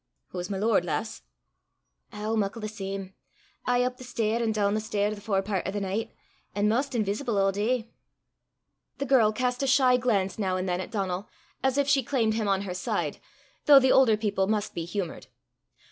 "Hoo's my lord, lass?" "Ow, muckle the same aye up the stair an' doon the stair the forepairt o' the nicht, an' maist inveesible a' day." The girl cast a shy glance now and then at Donal, as if she claimed him on her side, though the older people must be humoured.